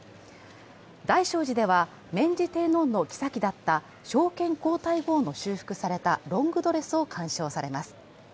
大聖寺では明治天皇の后だった昭憲皇太后の修復されたロングドレスを鑑賞されます。